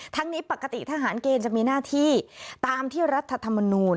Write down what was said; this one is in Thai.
ทั้งนี้ปกติทหารเกณฑ์จะมีหน้าที่ตามที่รัฐธรรมนูล